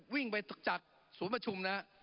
วิ่งไปถึงจากสวมชุมนะ